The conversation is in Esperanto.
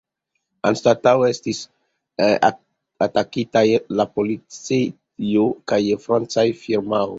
Ankaŭ estis atakitaj la policejo kaj francaj firmaoj.